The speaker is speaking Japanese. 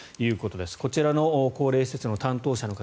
こちらの高齢者施設の担当者の方